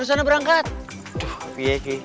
aduh ke veg